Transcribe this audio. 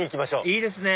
いいですね！